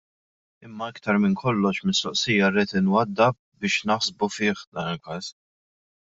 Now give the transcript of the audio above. Imma iktar minn kollox mistoqsija rrid inwaddab biex naħsbu fih dan il-każ.